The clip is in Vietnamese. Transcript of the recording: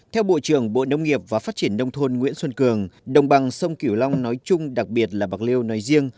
theo bộ trưởng bộ nông nghiệp và phát triển nông thôn nguyễn xuân cường đồng bằng sông kiểu long nói chung đặc biệt là bạc liêu nói riêng